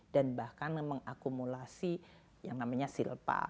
dan bahkan mengakumulasi yang namanya silpa